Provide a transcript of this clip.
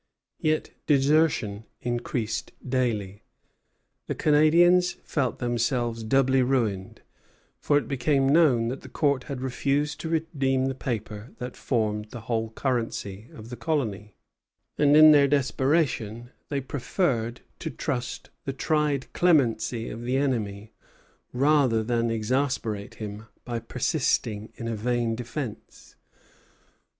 Yet desertion increased daily. The Canadians felt themselves doubly ruined, for it became known that the Court had refused to redeem the paper that formed the whole currency of the colony; and, in their desperation, they preferred to trust the tried clemency of the enemy rather than exasperate him by persisting in a vain defence.